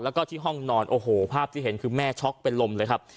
แล้วก็ที่ห้องนอนโอ้โหภาพที่เห็นคือแม่ช็อกเป็นลมเลยครับ